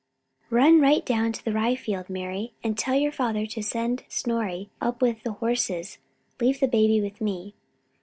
"] "Run right down to the rye field, Mari, and tell your father to send Snorri up with the horses. Leave the baby with me."